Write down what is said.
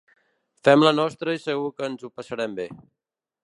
Fem la nostra i segur que ens ho passarem bé.